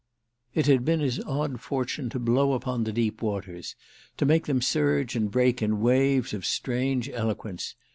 It had been his odd fortune to blow upon the deep waters, to make them surge and break in waves of strange eloquence.